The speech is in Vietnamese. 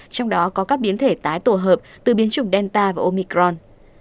trong đó có các biến thể tái tổ hợp từ biến chủng delta và omicron